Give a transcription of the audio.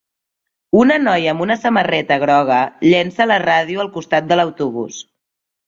Una noia amb una samarreta groga llença la ràdio al costat de l'autobús